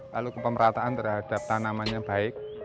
lalu kepemerataan terhadap tanamannya baik